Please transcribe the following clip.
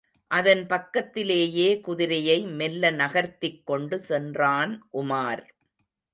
அதன் பக்கத்திலேயே குதிரையை மெல்ல நகர்த்திக் கொண்டு சென்றான் உமார்.